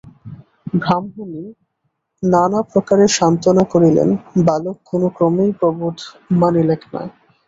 ব্রাহ্মণী নানা প্রকারে সান্ত্বনা করিলেন বালক কোন ক্রমেই প্রবোধ মানিলেক না।